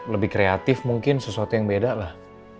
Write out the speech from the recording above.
lebih kreatif mungkin sesuatu yang beda lah